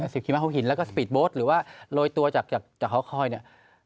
สิบคิมะหัวหินหรือว่าโรยตัวจากคอล์คอยน์เนี่ย